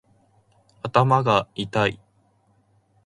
頭がいたい